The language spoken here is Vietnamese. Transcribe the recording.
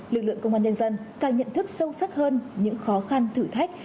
lực lượng công an nhân dân càng nhận thức sâu sắc hơn những khó khăn thử thách